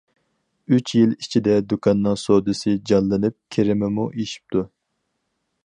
ئۈچ يىل ئىچىدىلا دۇكاننىڭ سودىسى جانلىنىپ كىرىمىمۇ ئېشىپتۇ.